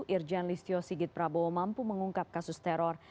irjen listio sigit prabowo mampu mengungkap kasus teror